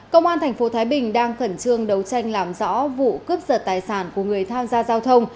công an tp thái bình đang khẩn trương đấu tranh làm rõ vụ cướp giật tài sản của người tham gia giao thông